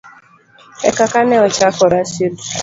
ekaka ne ochako Rashid